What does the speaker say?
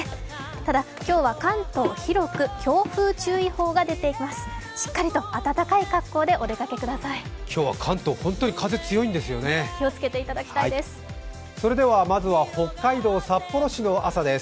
ただ今日は関東広く強風注意報が出ています。